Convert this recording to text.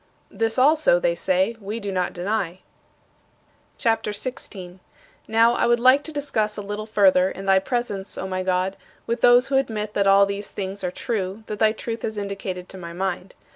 "This also," they say, "we do not deny." CHAPTER XVI 23. Now, I would like to discuss a little further, in thy presence, O my God, with those who admit that all these things are true that thy Truth has indicated to my mind.